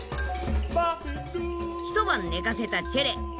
一晩寝かせたチェレ。